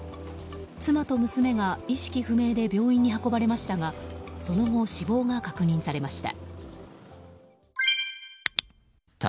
妻と娘が意識不明で病院に運ばれましたがその後、死亡が確認されました。